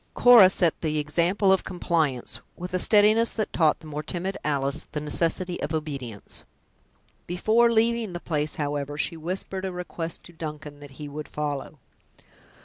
Cora set the example of compliance, with a steadiness that taught the more timid Alice the necessity of obedience. Before leaving the place, however, she whispered a request to Duncan, that he would follow.